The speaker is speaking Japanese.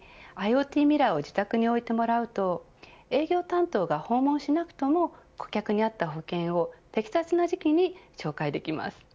ＩｏＴミラーを自宅に置いてもらうと営業担当が訪問しなくとも顧客に合った保険を適切な時期に紹介できます。